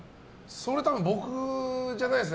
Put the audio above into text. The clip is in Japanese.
それは多分、僕じゃないですね。